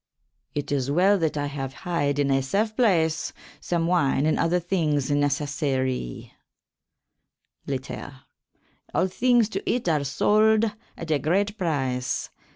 It is well that I have hyd in a safe place some wyne and other thynges necessarie. Later. All thynges to eat are solde at a great pryce.